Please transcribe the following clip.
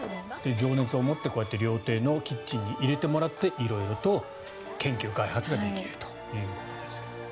情熱を持って料亭のキッチンに入れてもらって色々と研究、開発ができるということですが。